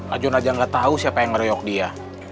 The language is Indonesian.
ajun aja gak tau siapa yang ngeroyok dia